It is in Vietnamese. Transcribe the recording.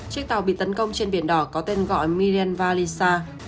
chiếc tàu bị tấn công trên biển đỏ có tên gọi miriam valisa